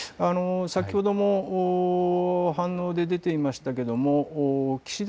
先ほども反応で出ていましたが岸田